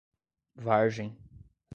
Vargem